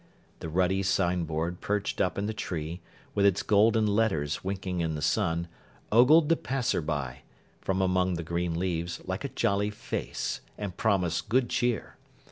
The ruddy sign board perched up in the tree, with its golden letters winking in the sun, ogled the passer by, from among the green leaves, like a jolly face, and promised good cheer.